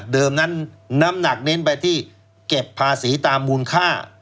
นั้นน้ำหนักเน้นไปที่เก็บภาษีตามมูลค่า